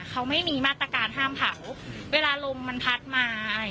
เขาไม่มีมาตรการห้ามเผาเวลาลมมันพัดมาอะไร